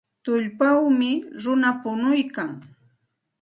Tullpawmi runa punuykan.